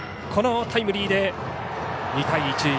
このタイムリーで２対１。